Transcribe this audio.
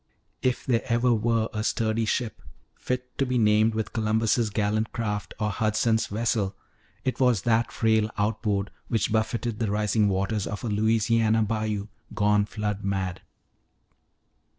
If there ever were a sturdy ship, fit to be named with Columbus' gallant craft or Hudson's vessel, it was that frail outboard which buffeted the rising waters of a Louisiana bayou gone flood mad.